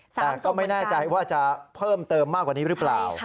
แต่ก็ไม่แน่ใจว่าจะเพิ่มเติมมากกว่านี้หรือเปล่า